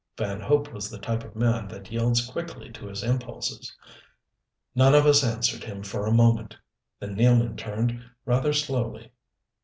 Van Hope was the type of man that yields quickly to his impulses. None of us answered him for a moment. Then Nealman turned, rather slowly.